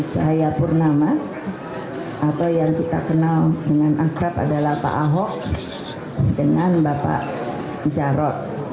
saya purnama atau yang kita kenal dengan akrab adalah pak ahok dengan bapak jarod